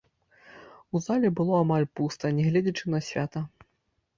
У зале было амаль пуста, нягледзячы на свята.